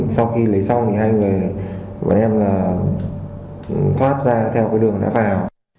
sau khi lấy xong thì hai người và em là thoát ra theo cái đường đã vào